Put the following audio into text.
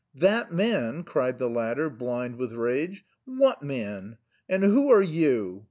"That man!" cried the latter, blind with rage. "What man? And who are you?"